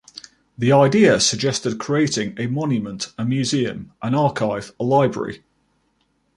The idea suggested creating a monument, a museum, an archive, a library.